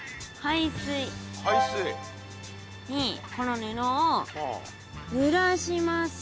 海水？にこのぬのをぬらします。